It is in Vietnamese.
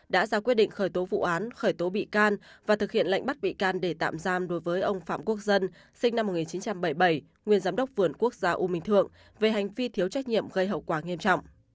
đã ra quyết định khởi tố vụ án khởi tố bị can và thực hiện lệnh bắt bị can để tạm giam đối với ông phạm quốc dân sinh năm một nghìn chín trăm bảy mươi bảy nguyên giám đốc vườn quốc gia u minh thượng về hành vi thiếu trách nhiệm gây hậu quả nghiêm trọng